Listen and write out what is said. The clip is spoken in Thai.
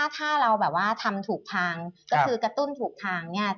ถ้าเราแบบว่าทำถูกทางก็คือกระตุ้นถูกทางเนี่ย